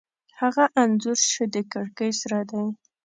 هغه انځور چې د کړکۍ سره دی